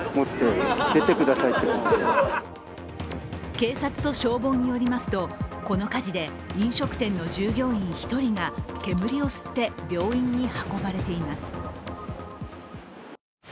警察と消防によりますと、この火事で飲食店の従業員１人が煙を吸って病院に運ばれています。